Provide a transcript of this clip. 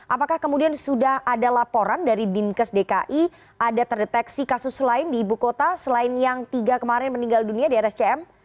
apakah kemudian sudah ada laporan dari dinkes dki ada terdeteksi kasus lain di ibu kota selain yang tiga kemarin meninggal dunia di rscm